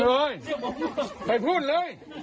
เอ่ยไปพูดเลย